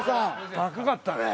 高かったねえ。